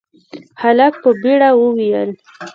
هلک په بيړه وويل: